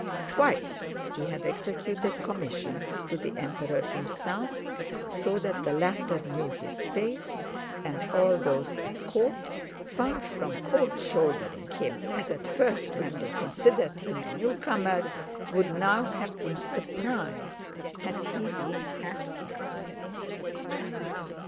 Twice he had executed commissions to the Emperor himself, so that the latter knew his face, and all those at court, far from cold shouldering him as at first when they considered him a newcomer, would now have been surprised had he been absent.